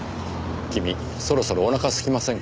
君そろそろお腹空きませんか？